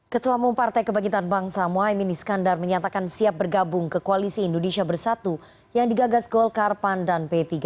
ketua mumpartai kebangkitan bangsa muhaimin iskandar menyatakan siap bergabung ke koalisi indonesia bersatu yang digagas golkar pandan p tiga